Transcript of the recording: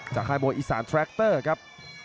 ค่ายมวยอีสานแทรคเตอร์ครับ